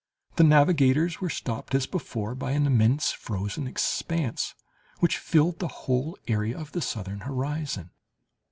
the navigators were stopped, as before, by an immense frozen expanse, which filled the whole area of the southern horizon.